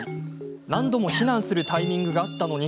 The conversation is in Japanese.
何度も避難するタイミングがあったのに